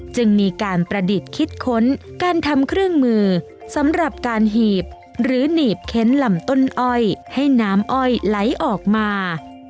จึงมีการประดิษฐ์คิดค้นการทำเครื่องมือสำหรับการหีบหรือหนีบเค้นลำต้นอ้อยให้น้ำอ้อยไหลออกมา